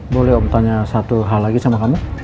boleh om tanya satu hal lagi sama kamu